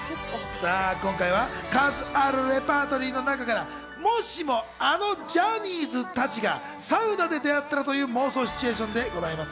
今回は数あるレパートリーの中からもしもあのジャニーズたちがサウナで出会ったらとという妄想のシチュエーションでございます。